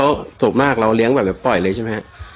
แล้วสูบมากเราเลี้ยงแบบปล่อยเลยใช่มั้ย